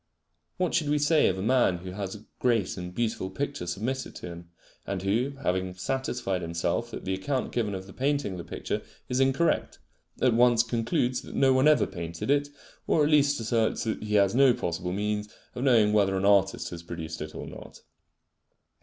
What should we say of a man who has a great and beautiful picture submitted to him, and who, having satisfied himself that the account given of the painting of the picture is incorrect, at once concludes that no one ever painted it, or at least asserts that he has no possible means of knowing whether an artist has produced it or not?